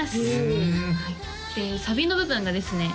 ふんでサビの部分がですね